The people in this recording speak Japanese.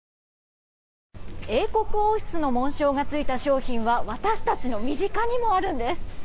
英国王室の紋章が付いた商品は私たちの身近にもあるんです。